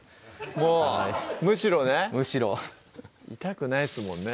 もうむしろねむしろ痛くないっすもんね